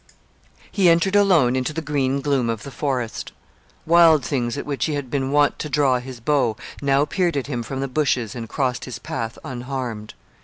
He entered alone into the green gloom of the forest. Wild things at which he had been wont to draw his bow now peered at him from the bushes and crossed his path unharmed.